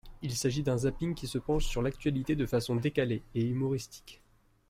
Il s'agit d'un zapping qui se penche sur l'actualité de façon décalée et humoristique.